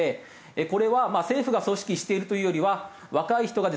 これは政府が組織しているというよりは若い人がですね